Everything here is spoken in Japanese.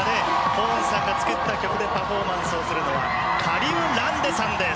ポーンさんが作った曲でパフォーマンスするのはカリム・ランデさんです。